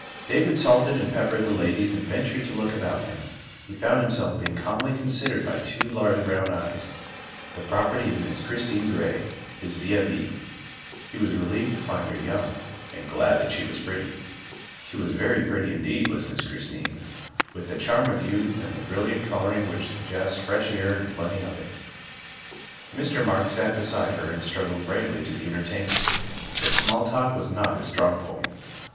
David salted and peppered the ladies and ventured to look about him. He found himself being calmly con sidered by two large brown eyes, the property of Miss Christine Gray, his vis a vis. He was relieved to find her young and glad that she was pretty. She was very pretty indeed, was Miss Christine, with THE SECRETARY OF STATE 33 the charm of youth and the brilliant coloring which sug gests fresh air and plenty of it. Mr. Marks sat beside her and struggled bravely to be entertaining, but small talk was not his strong point.